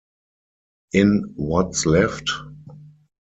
In What's Left?